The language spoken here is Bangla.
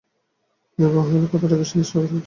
নির্বাণ হইল কতকটা খ্রীষ্টানদের স্বর্গরাজ্যের মত।